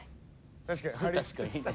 「確かにね」